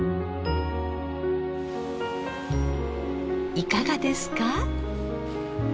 いかがですか？